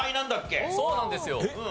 そうなんですよ。